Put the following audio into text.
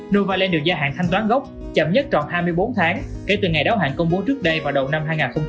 novaland được gia hạn thanh toán gốc chậm nhất tròn hai mươi bốn tháng kể từ ngày đáo hạn công bố trước đây vào đầu năm hai nghìn hai mươi ba